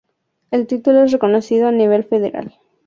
El título es reconocido a nivel federal.